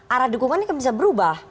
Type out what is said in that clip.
arah dukungannya bisa berubah